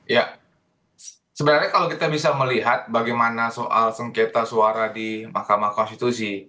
ya sebenarnya kalau kita bisa melihat bagaimana soal sengketa suara di mahkamah konstitusi